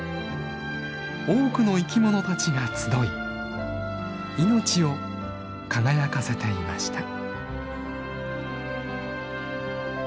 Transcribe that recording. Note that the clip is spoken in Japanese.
多くの生きものたちが集い命を輝かせていました。